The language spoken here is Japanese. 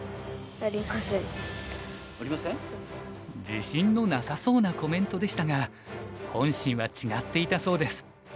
自信のなさそうなコメントでしたが本心は違っていたそうです。